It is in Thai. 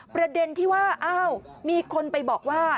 ประเด็นที่ว่าอ้าวมีคนไปบอกว่า